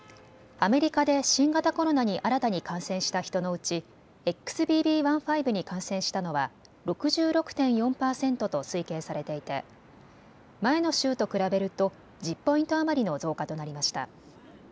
アメリカで新型コロナに新たに感染した人のうちＸＢＢ．１．５に感染したのは６６．４％と推計されていて前の週と比べると１０ポイント余りの増加となりました。